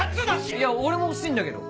いや俺も欲しいんだけど。